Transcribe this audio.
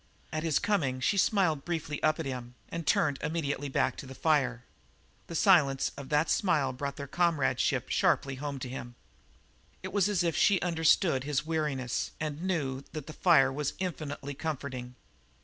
At his coming she smiled briefly up at him and turned immediately back to the fire. The silence of that smile brought their comradeship sharply home to him. It was as if she understood his weariness and knew that the fire was infinitely comforting.